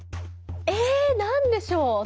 え何でしょう？